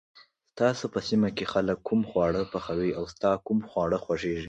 تاسو په سېمه کی خلک کوم خواړه پخوي، او ستا کوم خواړه خوښيږي ؟